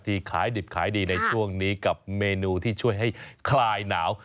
ขายดิบขายดีในช่วงนี้กับเมนูที่ช่วยให้คลายหนาว